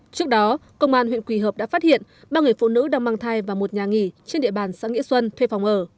trước đó công an huyện quỳ hợp đã phát hiện ba người phụ nữ đang mang thai vào một nhà nghỉ trên địa bàn xã nghĩa xuân thuê phòng ở